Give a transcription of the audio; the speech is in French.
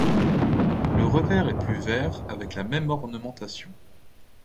Le revers est plus vert avec la même ornementation.